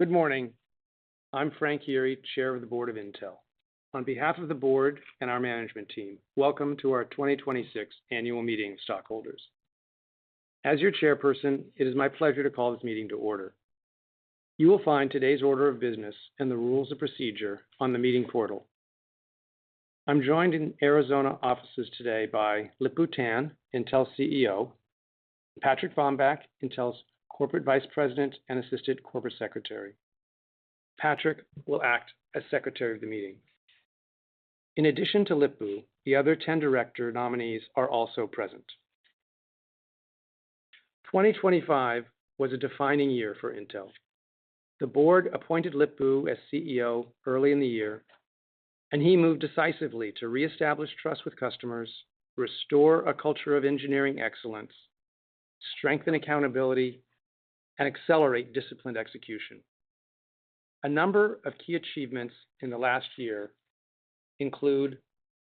Good morning. I'm Frank Yeary, Chair of the Board of Intel. On behalf of the board and our management team, welcome to our 2026 annual meeting of stockholders. As your chairperson, it is my pleasure to call this meeting to order. You will find today's order of business and the rules of procedure on the meeting portal. I'm joined in Arizona offices today by Lip-Bu Tan, Intel's CEO, Patrick Bombach, Intel's Corporate Vice President and Assistant Corporate Secretary. Pat will act as secretary of the meeting. In addition to Lip-Bu, the other 10 director nominees are also present. 2025 was a defining year for Intel. The board appointed Lip-Bu as CEO early in the year, and he moved decisively to reestablish trust with customers, restore a culture of engineering excellence, strengthen accountability, and accelerate disciplined execution. A number of key achievements in the last year include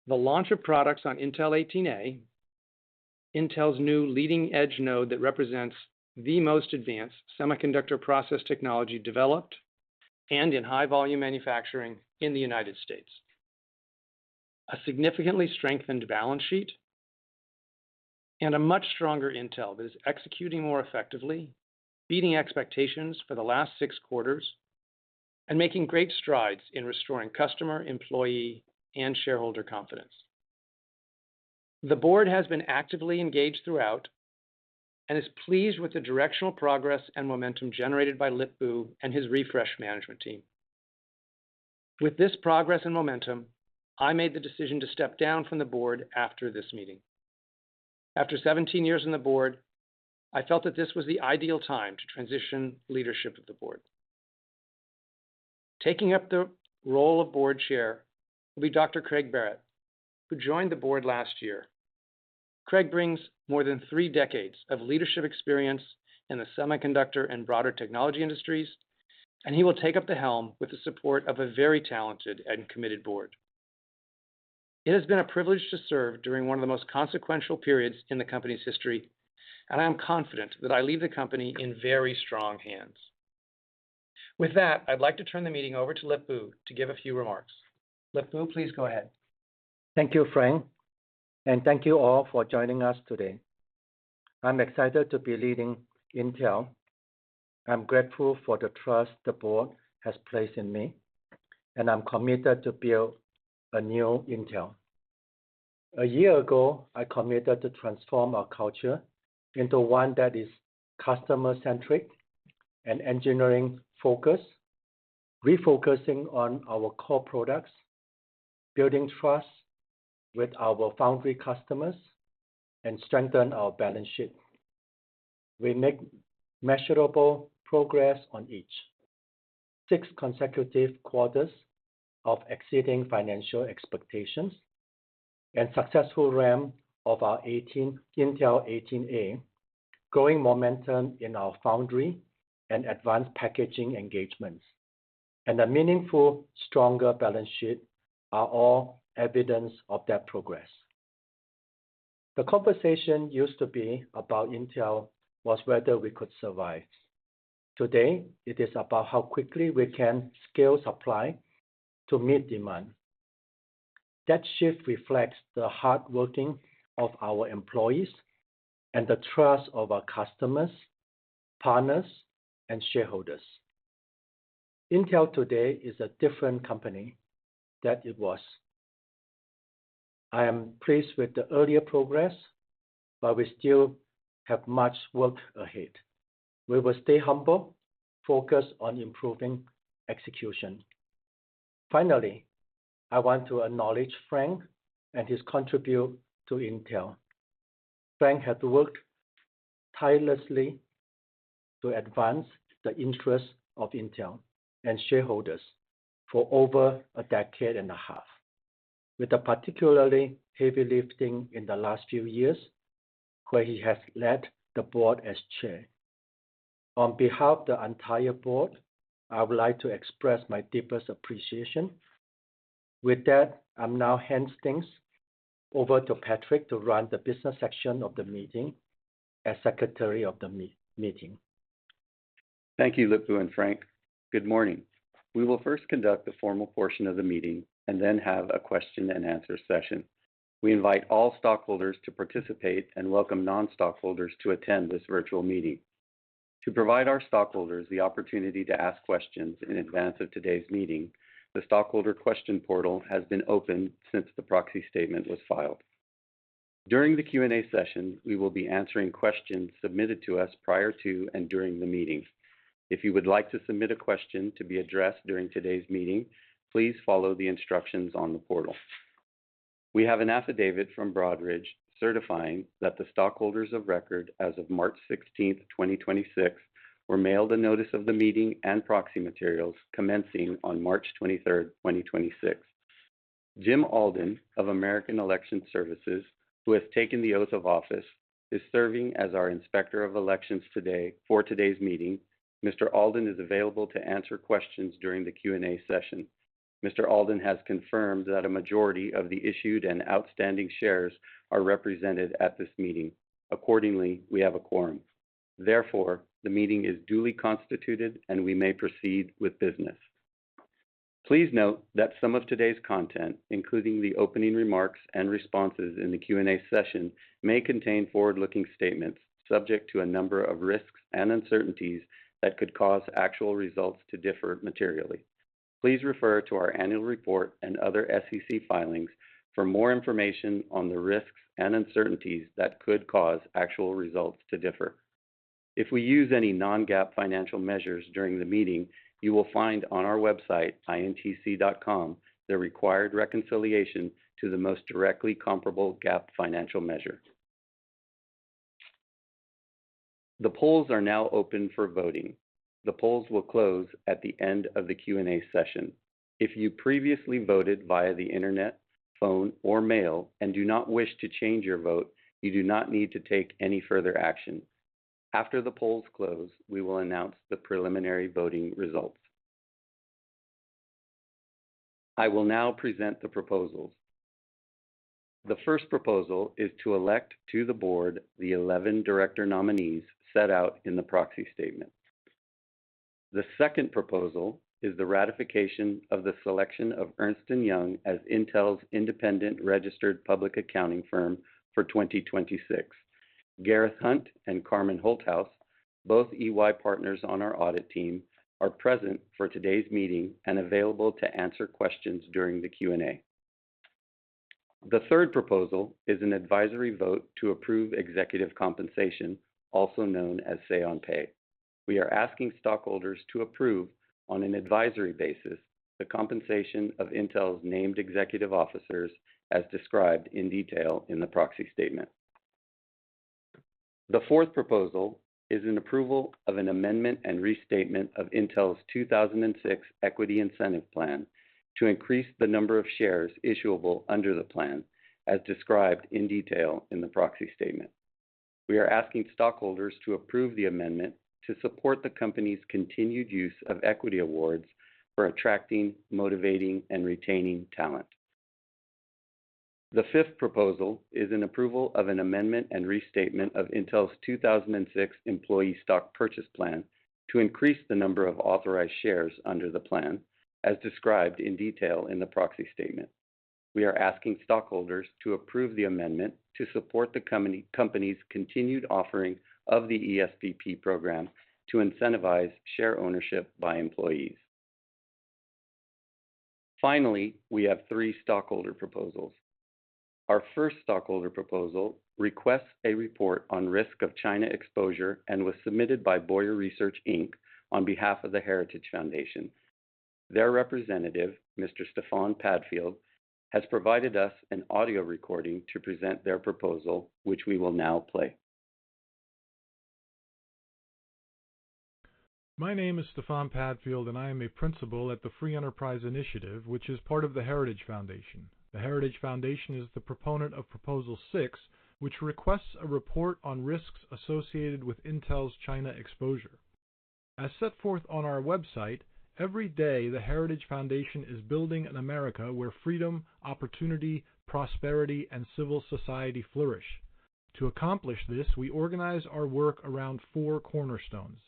the launch of products on Intel 18A, Intel's new leading-edge node that represents the most advanced semiconductor process technology developed and in high volume manufacturing in the United States, a significantly strengthened balance sheet, and a much stronger Intel that is executing more effectively, beating expectations for the last six quarters, and making great strides in restoring customer, employee, and shareholder confidence. The board has been actively engaged throughout and is pleased with the directional progress and momentum generated by Lip-Bu and his refreshed management team. With this progress and momentum, I made the decision to step down from the board after this meeting. After 17 years on the board, I felt that this was the ideal time to transition leadership of the board. Taking up the role of board chair will be Dr. Craig H. Barratt, who joined the board last year. Craig brings more than three decades of leadership experience in the semiconductor and broader technology industries. He will take up the helm with the support of a very talented and committed board. It has been a privilege to serve during one of the most consequential periods in the company's history. I am confident that I leave the company in very strong hands. With that, I'd like to turn the meeting over to Lip-Bu to give a few remarks. Lip-Bu, please go ahead. Thank you, Frank, and thank you all for joining us today. I'm excited to be leading Intel. I'm grateful for the trust the board has placed in me, and I'm committed to build a new Intel. A year ago, I committed to transform our culture into one that is customer-centric and engineering-focused, refocusing on our core products, building trust with our foundry customers, and strengthen our balance sheet. We make measurable progress on each. Six consecutive quarters of exceeding financial expectations and successful ramp of our Intel 18A, growing momentum in our foundry and advanced packaging engagements, and a meaningful, stronger balance sheet are all evidence of that progress. The conversation used to be about Intel was whether we could survive. Today it is about how quickly we can scale supply to meet demand. That shift reflects the hard work of our employees and the trust of our customers, partners, and shareholders. Intel today is a different company than it was. I am pleased with the earlier progress, we still have much work ahead. We will stay humble, focused on improving execution. Finally, I want to acknowledge Frank and his contribution to Intel. Frank has worked tirelessly to advance the interests of Intel and shareholders for over a decade and a half, with the particularly heavy lifting in the last few years where he has led the board as Chair. On behalf of the entire board, I would like to express my deepest appreciation. With that, I now hand things over to Patrick to run the business section of the meeting as Secretary of the meeting. Thank you, Lip-Bu and Frank. Good morning. We will first conduct the formal portion of the meeting and then have a question and answer session. We invite all stockholders to participate and welcome non-stockholders to attend this virtual meeting. To provide our stockholders the opportunity to ask questions in advance of today's meeting, the stockholder question portal has been open since the proxy statement was filed. During the Q&A session, we will be answering questions submitted to us prior to and during the meeting. If you would like to submit a question to be addressed during today's meeting, please follow the instructions on the portal. We have an affidavit from Broadridge certifying that the stockholders of record as of March 16, 2026, were mailed a notice of the meeting and proxy materials commencing on March 23, 2026. Jim Alden of American Election Services, who has taken the oath of office, is serving as our Inspector of Elections today. For today's meeting, Mr. Alden is available to answer questions during the Q&A session. Mr. Alden has confirmed that a majority of the issued and outstanding shares are represented at this meeting. We have a quorum. The meeting is duly constituted, and we may proceed with business. Please note that some of today's content, including the opening remarks and responses in the Q&A session, may contain forward-looking statements subject to a number of risks and uncertainties that could cause actual results to differ materially. Please refer to our annual report and other SEC filings for more information on the risks and uncertainties that could cause actual results to differ. If we use any non-GAAP financial measures during the meeting, you will find on our website, intc.com, the required reconciliation to the most directly comparable GAAP financial measure. The polls are now open for voting. The polls will close at the end of the Q&A session. If you previously voted via the Internet, phone, or mail and do not wish to change your vote, you do not need to take any further action. After the polls close, we will announce the preliminary voting results. I will now present the proposals. The first proposal is to elect to the board the 11 director nominees set out in the proxy statement. The second proposal is the ratification of the selection of Ernst & Young as Intel's independent registered public accounting firm for 2026. Gareth Hunt and Carmen Holthouse, both EY partners on our audit team, are present for today's meeting and available to answer questions during the Q&A. The third proposal is an advisory vote to approve executive compensation, also known as say on pay. We are asking stockholders to approve on an advisory basis the compensation of Intel's named executive officers as described in detail in the proxy statement. The fourth proposal is an approval of an amendment and restatement of Intel's 2006 Equity Incentive Plan to increase the number of shares issuable under the plan, as described in detail in the proxy statement. We are asking stockholders to approve the amendment to support the company's continued use of equity awards for attracting, motivating, and retaining talent. The fifth proposal is an approval of an amendment and restatement of Intel's 2006 Employee Stock Purchase Plan to increase the number of authorized shares under the plan, as described in detail in the proxy statement. We are asking stockholders to approve the amendment to support the company's continued offering of the ESPP program to incentivize share ownership by employees. We have three stockholder proposals. Our first stockholder proposal requests a report on risk of China exposure and was submitted by Bowyer Research Inc. on behalf of The Heritage Foundation. Their representative, Mr. Stefan Padfield, has provided us an audio recording to present their proposal, which we will now play. My name is Stefan Padfield, and I am a principal at the Free Enterprise Initiative, which is part of The Heritage Foundation. The Heritage Foundation is the proponent of Proposal 6, which requests a report on risks associated with Intel's China exposure. As set forth on our website, every day, The Heritage Foundation is building an America where freedom, opportunity, prosperity, and civil society flourish. To accomplish this, we organize our work around four cornerstones: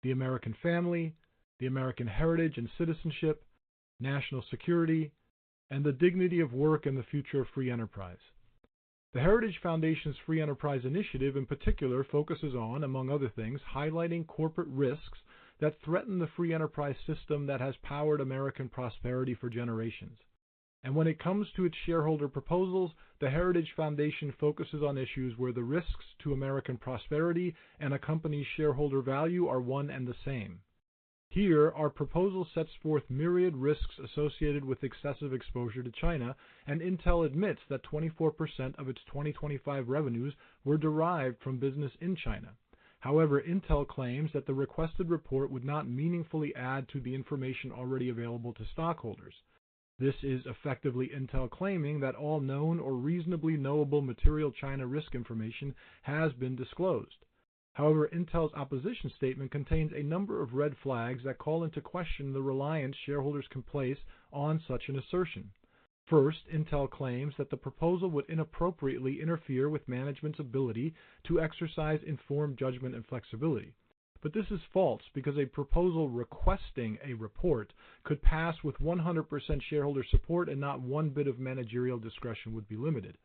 the American family, the American heritage and citizenship, national security, and the dignity of work and the future of free enterprise. The Heritage Foundation's Free Enterprise Initiative, in particular, focuses on, among other things, highlighting corporate risks that threaten the free enterprise system that has powered American prosperity for generations. When it comes to its shareholder proposals, The Heritage Foundation focuses on issues where the risks to American prosperity and a company's shareholder value are one and the same. Here, our proposal sets forth myriad risks associated with excessive exposure to China, and Intel admits that 24% of its 2025 revenues were derived from business in China. However, Intel claims that the requested report would not meaningfully add to the information already available to stockholders. This is effectively Intel claiming that all known or reasonably knowable material China risk information has been disclosed. However, Intel's opposition statement contains a number of red flags that call into question the reliance shareholders can place on such an assertion. First, Intel claims that the proposal would inappropriately interfere with management's ability to exercise informed judgment and flexibility. This is false because a proposal requesting a report could pass with 100% shareholder support and not one bit of managerial discretion would be limited.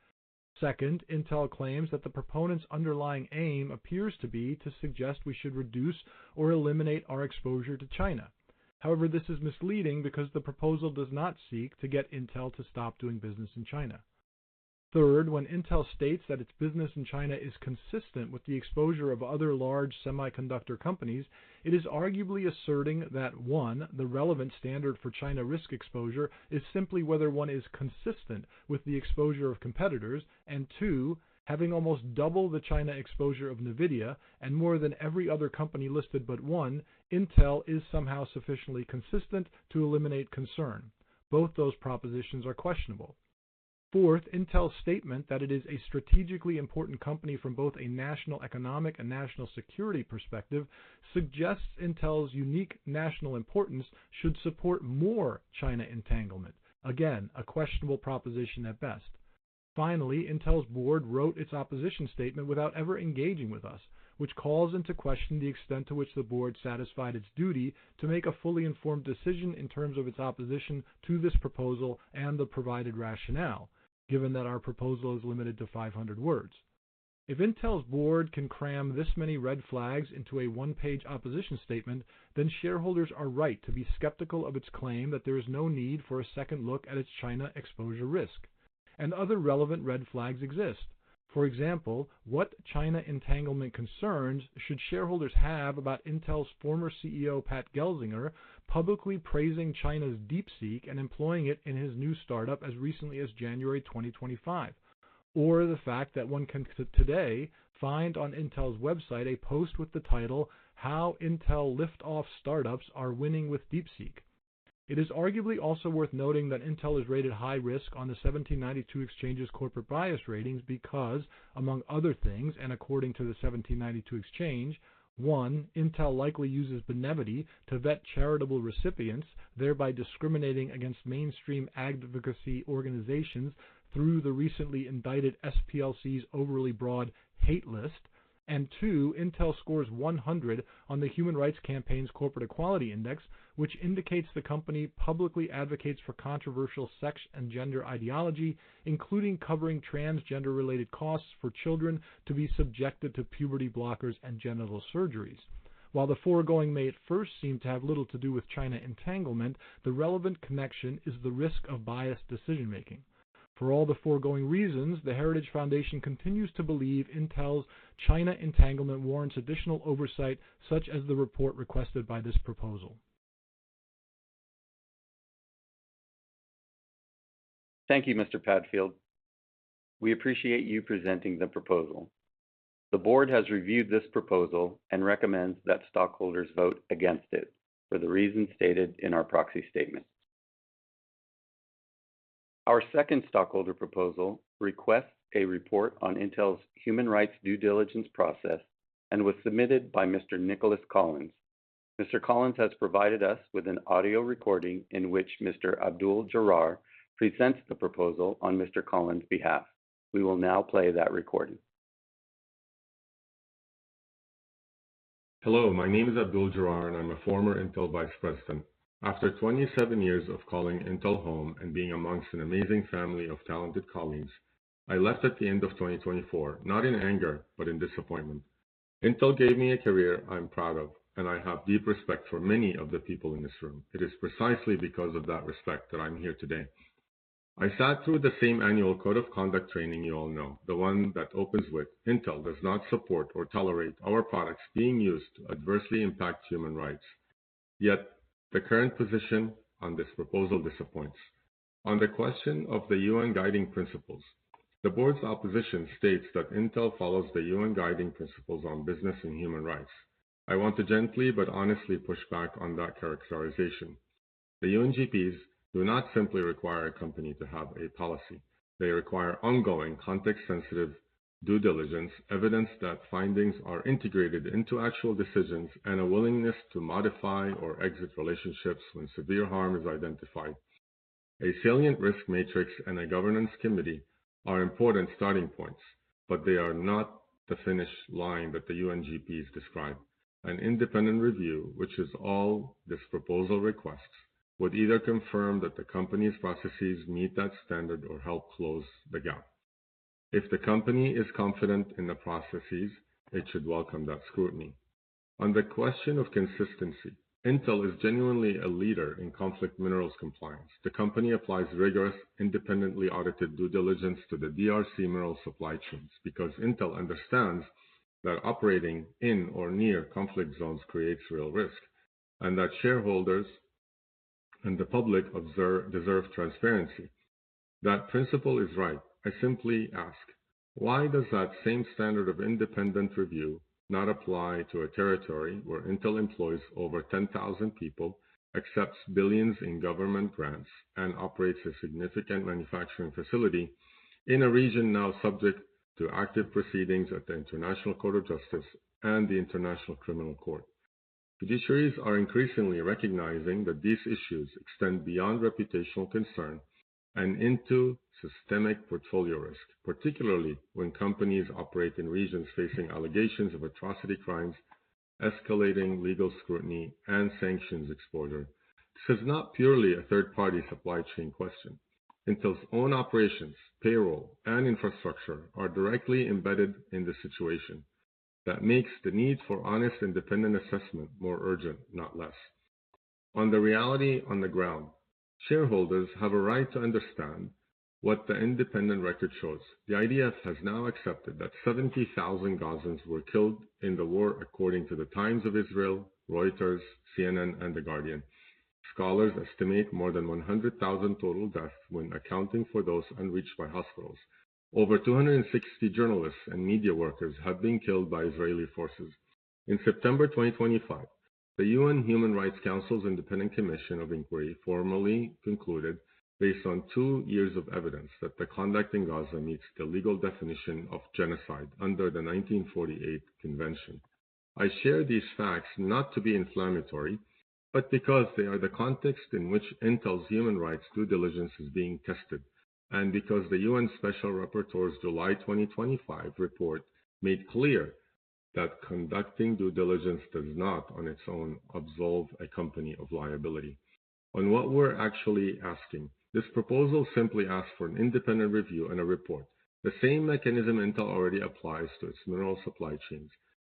Second, Intel claims that the proponent's underlying aim appears to be to suggest we should reduce or eliminate our exposure to China. This is misleading because the proposal does not seek to get Intel to stop doing business in China. Third, when Intel states that its business in China is consistent with the exposure of other large semiconductor companies, it is arguably asserting that, one, the relevant standard for China risk exposure is simply whether one is consistent with the exposure of competitors. two, having almost double the China exposure of Nvidia and more than every other company listed but one, Intel is somehow sufficiently consistent to eliminate concern. Both those propositions are questionable. Fourth, Intel's statement that it is a strategically important company from both a national economic and national security perspective suggests Intel's unique national importance should support more China entanglement. Again, a questionable proposition at best. Intel's board wrote its opposition statement without ever engaging with us, which calls into question the extent to which the board satisfied its duty to make a fully informed decision in terms of its opposition to this proposal and the provided rationale, given that our proposal is limited to 500 words. If Intel's board can cram this many red flags into a one-page opposition statement, then shareholders are right to be skeptical of its claim that there is no need for a second look at its China exposure risk. Other relevant red flags exist. For example, what China entanglement concerns should shareholders have about Intel's former CEO, Pat Gelsinger, publicly praising China's DeepSeek and employing it in his new startup as recently as January 2025? The fact that one can today find on Intel's website a post with the title How Intel Liftoff Startups Are Winning With DeepSeek. It is arguably also worth noting that Intel is rated high risk on the 1792 Exchange's Corporate Bias Ratings because, among other things, and according to the 1792 Exchange, one, Intel likely uses Benevity to vet charitable recipients, thereby discriminating against mainstream advocacy organizations through the recently indicted SPLC's overly broad hate list. Two, Intel scores 100 on the Human Rights Campaign's Corporate Equality Index, which indicates the company publicly advocates for controversial sex and gender ideology, including covering transgender-related costs for children to be subjected to puberty blockers and genital surgeries. While the foregoing may at first seem to have little to do with China entanglement, the relevant connection is the risk of biased decision-making. For all the foregoing reasons, The Heritage Foundation continues to believe Intel's China entanglement warrants additional oversight, such as the report requested by this proposal. Thank you, Mr. Padfield. We appreciate you presenting the proposal. The board has reviewed this proposal and recommends that stockholders vote against it for the reasons stated in our proxy statement. Our second stockholder proposal requests a report on Intel's human rights due diligence process and was submitted by Mr. Nicholas Collins. Mr. Collins has provided us with an audio recording in which Mr. Abdul Jarar presents the proposal on Mr. Collins' behalf. We will now play that recording. Hello, my name is Abdul Jarar, and I'm a former Intel vice president. After 27 years of calling Intel home and being amongst an amazing family of talented colleagues, I left at the end of 2024, not in anger, but in disappointment. Intel gave me a career I'm proud of, and I have deep respect for many of the people in this room. It is precisely because of that respect that I'm here today. I sat through the same annual code of conduct training you all know, the one that opens with, "Intel does not support or tolerate our products being used to adversely impact human rights." Yet the current position on this proposal disappoints. On the question of the UN Guiding Principles, the board's opposition states that Intel follows the UN Guiding Principles on Business and Human Rights. I want to gently but honestly push back on that characterization. The UNGPs do not simply require a company to have a policy. They require ongoing context-sensitive due diligence, evidence that findings are integrated into actual decisions, and a willingness to modify or exit relationships when severe harm is identified. A salient risk matrix and a governance committee are important starting points, but they are not the finish line that the UNGPs describe. An independent review, which is all this proposal requests, would either confirm that the company's processes meet that standard or help close the gap. If the company is confident in the processes, it should welcome that scrutiny. On the question of consistency, Intel is genuinely a leader in conflict minerals compliance. The company applies rigorous, independently audited due diligence to the DRC mineral supply chains because Intel understands that operating in or near conflict zones creates real risk and that shareholders and the public deserve transparency. That principle is right. I simply ask, why does that same standard of independent review not apply to a territory where Intel employs over 10,000 people, accepts billions in government grants, and operates a significant manufacturing facility in a region now subject to active proceedings at the International Court of Justice and the International Criminal Court? Judiciaries are increasingly recognizing that these issues extend beyond reputational concern and into systemic portfolio risk, particularly when companies operate in regions facing allegations of atrocity crimes, escalating legal scrutiny, and sanctions exposure. This is not purely a third-party supply chain question. Intel's own operations, payroll, and infrastructure are directly embedded in the situation. That makes the need for honest, independent assessment more urgent, not less. On the reality on the ground, shareholders have a right to understand what the independent record shows. The IDF has now accepted that 70,000 Gazans were killed in the war, according to The Times of Israel, Reuters, CNN, and The Guardian. Scholars estimate more than 100,000 total deaths when accounting for those unreached by hospitals. Over 260 journalists and media workers have been killed by Israeli forces. In September 2025, The UN Human Rights Council's Independent Commission of Inquiry formally concluded based on two years of evidence that the conduct in Gaza meets the legal definition of genocide under the 1948 Convention. I share these facts not to be inflammatory, but because they are the context in which Intel's human rights due diligence is being tested, and because the UN Special Rapporteur's July 2025 report made clear that conducting due diligence does not on its own absolve a company of liability. On what we're actually asking, this proposal simply asks for an independent review and a report, the same mechanism Intel already applies to its mineral supply chains.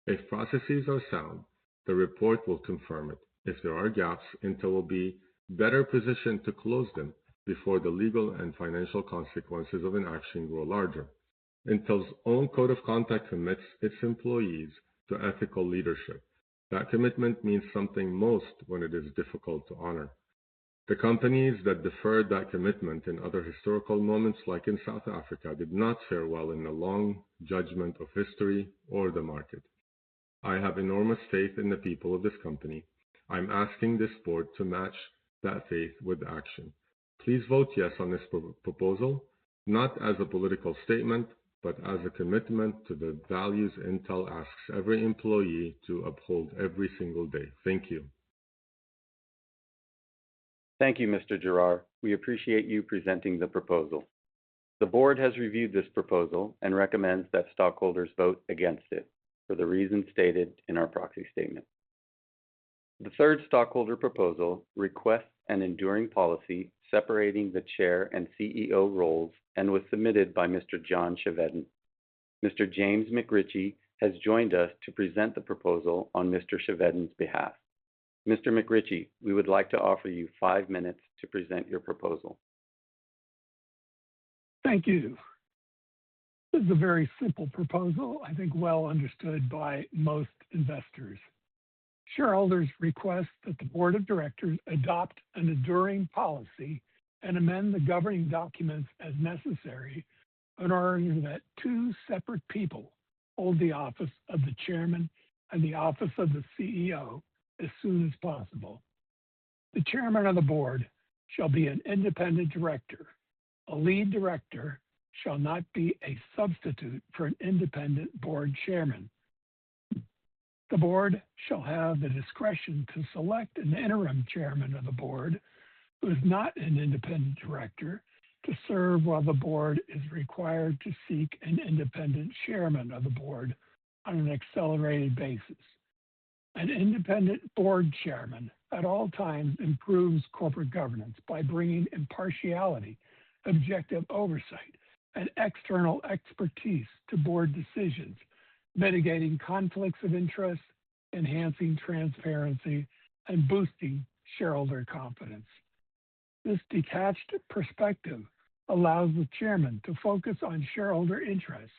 If processes are sound, the report will confirm it. If there are gaps, Intel will be better positioned to close them before the legal and financial consequences of inaction grow larger. Intel's own code of conduct commits its employees to ethical leadership. That commitment means something most when it is difficult to honor. The companies that deferred that commitment in other historical moments, like in South Africa, did not fare well in the long judgment of history or the market. I have enormous faith in the people of this company. I'm asking this board to match that faith with action. Please vote yes on this pro-proposal, not as a political statement, but as a commitment to the values Intel asks every employee to uphold every single day. Thank you. Thank you, Mr. Jarar. We appreciate you presenting the proposal. The board has reviewed this proposal and recommends that stockholders vote against it for the reasons stated in our proxy statement. The third stockholder proposal requests an enduring policy separating the chair and CEO roles and was submitted by Mr. John Chevedden. Mr. James McRitchie has joined us to present the proposal on Mr. Chevedden's behalf. Mr. McRitchie, we would like to offer you five minutes to present your proposal. Thank you. This is a very simple proposal, I think well understood by most investors. Shareholders request that the board of directors adopt an enduring policy and amend the governing documents as necessary in order that two separate people hold the office of the chairman and the office of the CEO as soon as possible. The chairman of the board shall be an independent director. A lead director shall not be a substitute for an independent board chairman. The board shall have the discretion to select an interim chairman of the board who is not an independent director to serve while the board is required to seek an independent chairman of the board on an accelerated basis. An independent board chairman at all times improves corporate governance by bringing impartiality, objective oversight, and external expertise to board decisions, mitigating conflicts of interest, enhancing transparency, and boosting shareholder confidence. This detached perspective allows the chairman to focus on shareholder interests,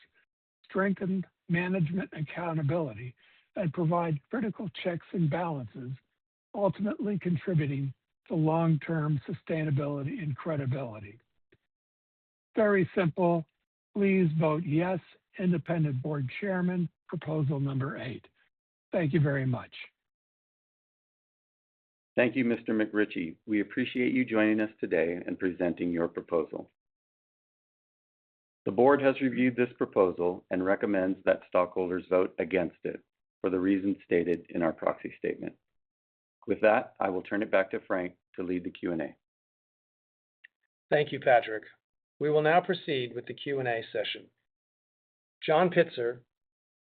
strengthen management accountability, and provide critical checks and balances, ultimately contributing to long-term sustainability and credibility. Very simple. Please vote yes, independent board chairman, proposal number eight. Thank you very much. Thank you, Mr. McRitchie. We appreciate you joining us today and presenting your proposal. The board has reviewed this proposal and recommends that stockholders vote against it for the reasons stated in our proxy statement. With that, I will turn it back to Frank to lead the Q&A. Thank you, Patrick. We will now proceed with the Q&A session. John Pitzer,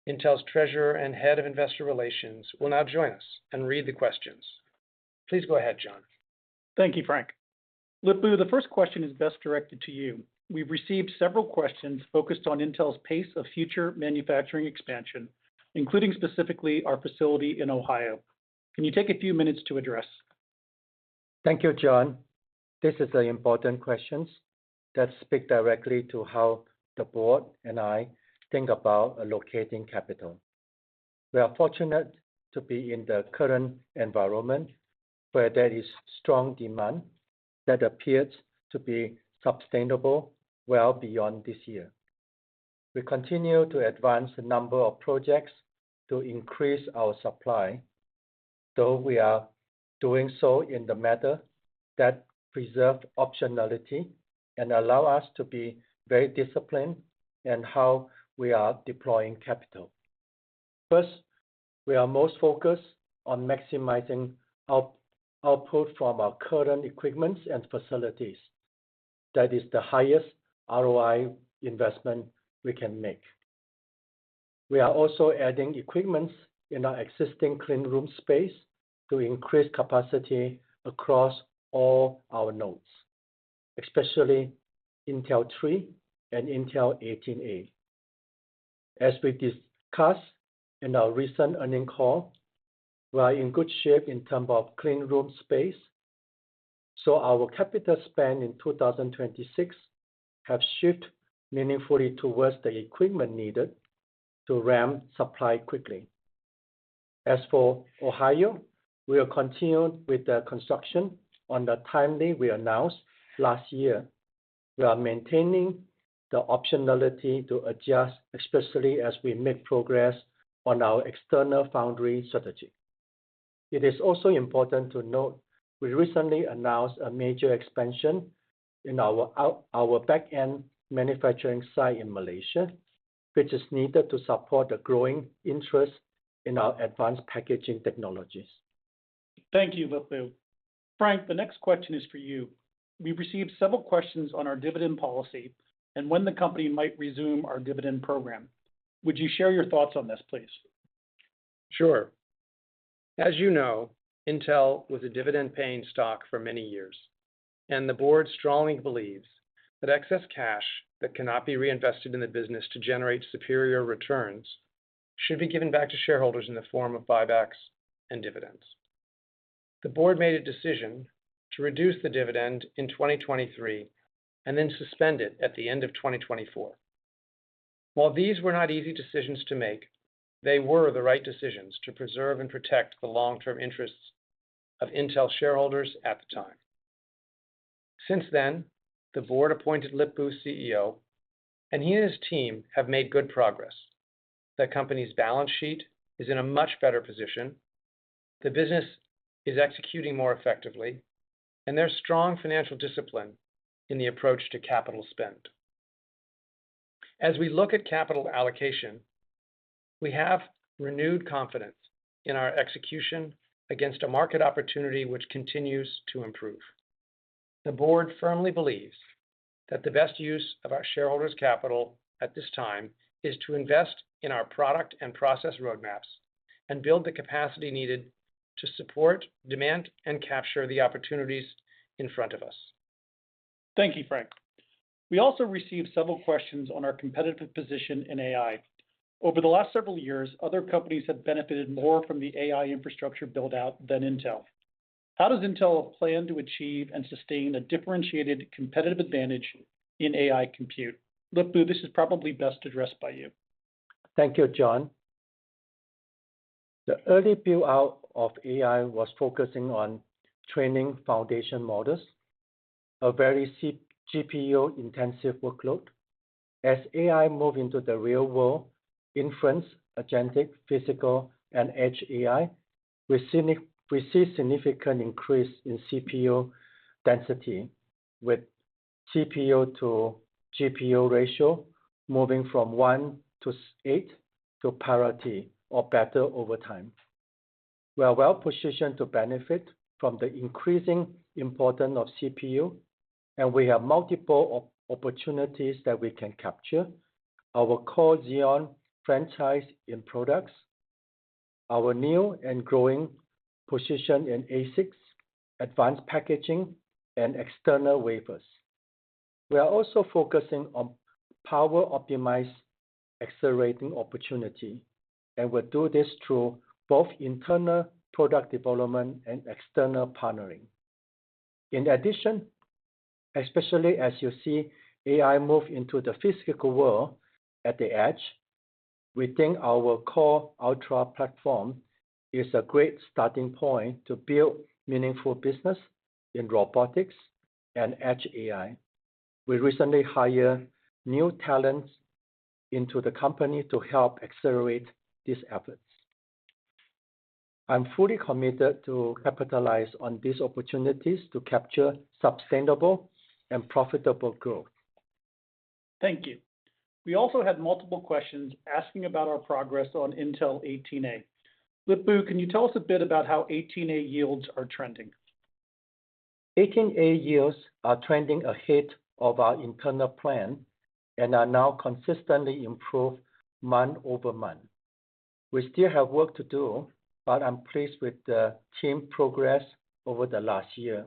Intel's Treasurer and Head of Investor Relations, will now join us and read the questions. Please go ahead, John. Thank you, Frank. Lip-Bu, the first question is best directed to you. We've received several questions focused on Intel's pace of future manufacturing expansion, including specifically our facility in Ohio. Can you take a few minutes to address? Thank you, John. This is the important questions that speak directly to how the Board and I think about allocating capital. We are fortunate to be in the current environment where there is strong demand that appears to be sustainable well beyond this year. We continue to advance a number of projects to increase our supply, though we are doing so in the manner that preserve optionality and allow us to be very disciplined in how we are deploying capital. First, we are most focused on maximizing out-output from our current equipments and facilities. That is the highest ROI investment we can make. We are also adding equipments in our existing clean room space to increase capacity across all our nodes, especially Intel 3 and Intel 18A. As we discussed in our recent earnings call, we are in good shape in terms of clean room space, so our capital spend in 2026 have shifted meaningfully towards the equipment needed to ramp supply quickly. As for Ohio, we are continuing with the construction on the timeline we announced last year. We are maintaining the optionality to adjust, especially as we make progress on our external foundry strategy. It is also important to note we recently announced a major expansion in our back-end manufacturing site in Malaysia, which is needed to support the growing interest in our advanced packaging technologies. Thank you, Lip-Bu. Frank, the next question is for you. We received several questions on our dividend policy and when the company might resume our dividend program. Would you share your thoughts on this, please? Sure. As you know, Intel was a dividend-paying stock for many years, and the board strongly believes that excess cash that cannot be reinvested in the business to generate superior returns should be given back to shareholders in the form of buybacks and dividends. The board made a decision to reduce the dividend in 2023 and then suspend it at the end of 2024. While these were not easy decisions to make, they were the right decisions to preserve and protect the long-term interests of Intel shareholders at the time. Since then, the board appointed Lip-Bu CEO, and he and his team have made good progress. The company's balance sheet is in a much better position, the business is executing more effectively, and there's strong financial discipline in the approach to capital spend. As we look at capital allocation, we have renewed confidence in our execution against a market opportunity which continues to improve. The board firmly believes that the best use of our shareholders' capital at this time is to invest in our product and process roadmaps and build the capacity needed to support demand and capture the opportunities in front of us. Thank you, Frank. We also received several questions on our competitive position in AI. Over the last several years, other companies have benefited more from the AI infrastructure build-out than Intel. How does Intel plan to achieve and sustain a differentiated competitive advantage in AI compute? Lip-Bu, this is probably best addressed by you. Thank you, John. The early build-out of AI was focusing on training foundation models, a very GPU-intensive workload. As AI move into the real world, inference, agentic, physical, and edge AI, we see significant increase in CPU density, with CPU to GPU ratio moving from one - eight to parity or better over time. We are well-positioned to benefit from the increasing importance of CPU, and we have multiple opportunities that we can capture. Our core Xeon franchise in products, our new and growing position in ASICs, advanced packaging, and external wafers. We are also focusing on power-optimized accelerating opportunity, and we'll do this through both internal product development and external partnering. In addition, especially as you see AI move into the physical world at the edge, we think our Core Ultra platform is a great starting point to build meaningful business in robotics and edge AI. We recently hire new talents into the company to help accelerate these efforts. I'm fully committed to capitalize on these opportunities to capture sustainable and profitable growth. Thank you. We also had multiple questions asking about our progress on Intel 18A. Lip-Bu, can you tell us a bit about how 18A yields are trending? 18A yields are trending ahead of our internal plan and are now consistently improve month-over-month. We still have work to do, but I'm pleased with the team progress over the last year.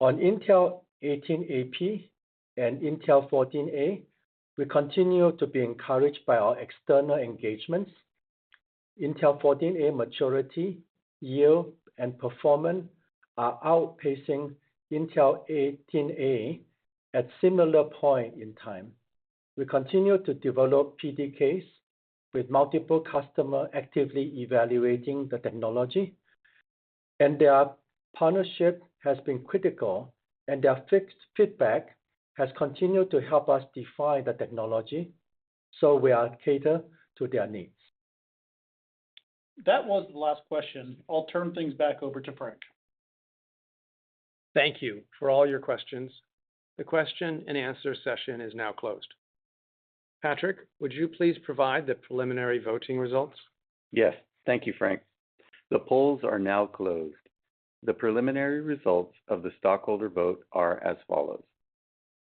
On Intel 18A-P and Intel 14A, we continue to be encouraged by our external engagements. Intel 14A maturity, yield, and performance are outpacing Intel 18A at similar point in time. We continue to develop PDKs with multiple customer actively evaluating the technology, and their partnership has been critical, and their feedback has continued to help us define the technology, so we are cater to their needs. That was the last question. I'll turn things back over to Frank. Thank you for all your questions. The question and answer session is now closed. Patrick, would you please provide the preliminary voting results? Yes. Thank you, Frank. The polls are now closed. The preliminary results of the stockholder vote are as follows.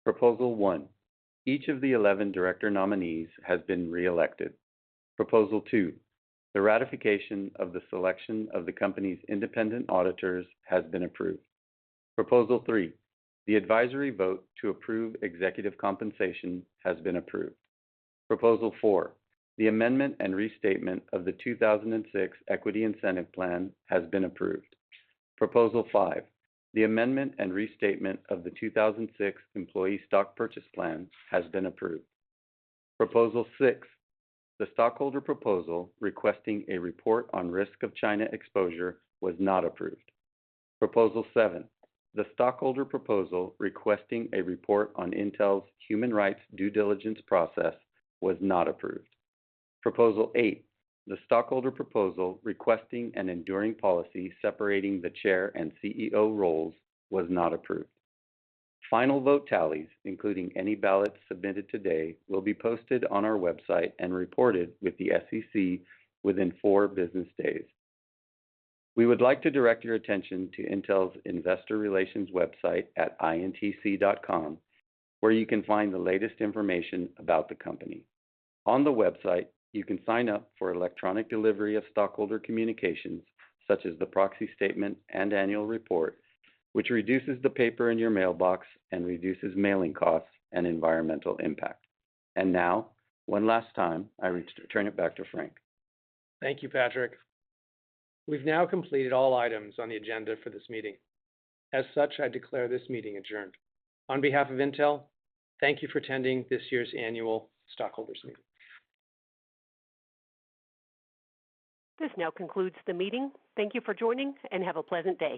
Proposal one, each of the 11 director nominees has been reelected. Proposal two, the ratification of the selection of the company's independent auditors has been approved. Proposal three, the advisory vote to approve executive compensation has been approved. Proposal four, the amendment and restatement of the 2006 equity incentive plan has been approved. Proposal five, the amendment and restatement of the 2006 employee stock purchase plan has been approved. Proposal six, the stockholder proposal requesting a report on risk of China exposure was not approved. Proposal seven, the stockholder proposal requesting a report on Intel's human rights due diligence process was not approved. Proposal eight, the stockholder proposal requesting an enduring policy separating the Chair and CEO roles was not approved. Final vote tallies, including any ballots submitted today, will be posted on our website and reported with the SEC within four business days. We would like to direct your attention to Intel's investor relations website at intc.com, where you can find the latest information about the company. On the website, you can sign up for electronic delivery of stockholder communications, such as the proxy statement and annual report, which reduces the paper in your mailbox and reduces mailing costs and environmental impact. Now, one last time, I return it back to Frank. Thank you, Patrick. We've now completed all items on the agenda for this meeting. As such, I declare this meeting adjourned. On behalf of Intel, thank you for attending this year's annual stockholders meeting. This now concludes the meeting. Thank you for joining, and have a pleasant day.